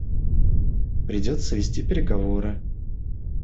Придется вести переговоры.